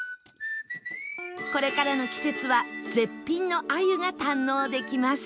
これからの季節は絶品の鮎が堪能できます